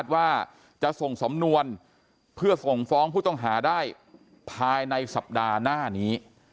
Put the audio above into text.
ว่าจะส่งสำนวนเพื่อส่งฟ้องผู้ต้องหาได้ภายในสัปดาห์หน้านี้